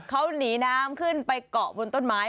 เขาหนีน้ำขึ้นไปเกาะบนต้นไม้